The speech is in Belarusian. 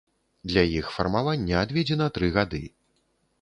Для іх фармавання адведзена тры гады.